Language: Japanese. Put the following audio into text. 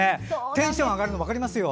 テンションが上がるのも分かりますよ。